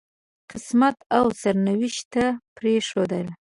قسمت او سرنوشت ته پرېښود.